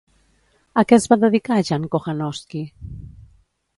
A què es va dedicar Jan Kochanowski?